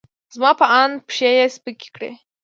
زما په اند، پښې یې سپکې کړې.